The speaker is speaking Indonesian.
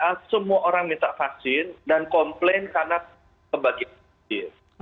sma semua orang minta vaksin dan komplain karena kebagian